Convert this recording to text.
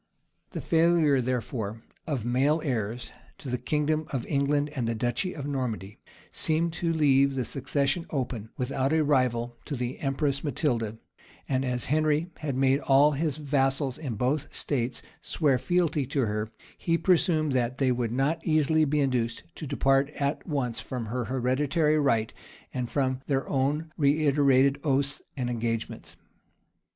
The failure, therefore, of male heirs to the kingdom of England and duchy of Normandy, seemed to leave the succession open, without a rival, to the empress Matilda; and as Henry had made all his vassals in both states swear fealty to her, he presumed that they would not easily be induced to depart at once from her hereditary right, and from their own reiterated oaths and engagements.